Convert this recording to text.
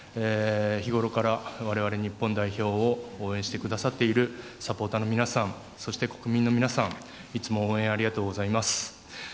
日頃から我々日本代表を応援してくださっているサポーターの皆さんそして、国民の皆さんいつも応援ありがとうございます。